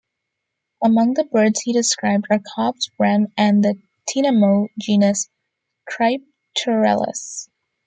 Among the birds he described are Cobb's wren and the tinamou genus "Crypturellus".